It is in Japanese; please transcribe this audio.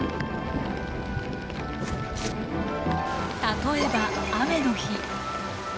例えば雨の日。